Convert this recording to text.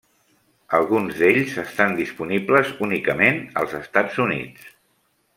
Alguns d'ells estan disponibles únicament als Estats Units.